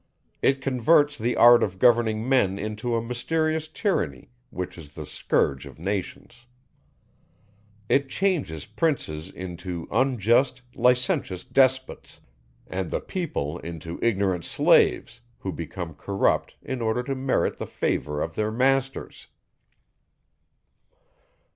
It converts the art of governing men into a mysterious tyranny, which is the scourge of nations. It changes princes into unjust, licentious despots, and the people into ignorant slaves, who become corrupt in order to merit the favour of their masters.